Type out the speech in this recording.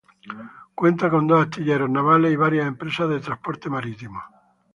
Cuenta con dos astilleros navales y varias empresas de transporte marítimo.